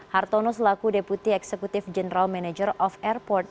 hartono selaku deputi eksekutif general manager orang